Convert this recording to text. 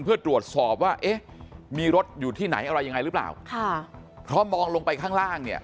เพื่อตรวจสอบว่าเอ๊ะมีรถอยู่ที่ไหนอะไรยังไงหรือเปล่าค่ะเพราะมองลงไปข้างล่างเนี่ย